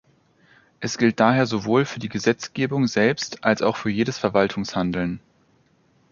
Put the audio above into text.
Es gilt daher sowohl für die Gesetzgebung selbst als auch für jedes Verwaltungshandeln.